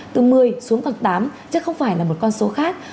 từ một mươi xuống hoặc tám chứ không phải là một con số khác